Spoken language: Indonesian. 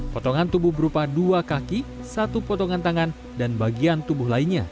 potongan tubuh berupa dua kaki satu potongan tangan dan bagian tubuh lainnya